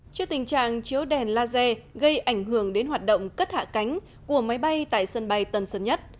trước tình trạng chiếu đèn laser gây ảnh hưởng đến hoạt động cất hạ cánh của máy bay tại sân bay tân sơn nhất